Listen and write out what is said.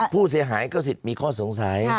ผู้เสียหายก็สิทธิ์มีข้อสงสัย